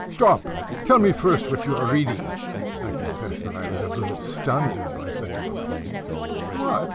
"Stop! tell me first what you are reading." I confess that I was a trifle stunned by such a question. "What!